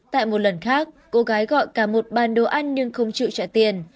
tại một lần khác cô gái gọi cả một bàn đồ ăn nhưng không chịu trả tiền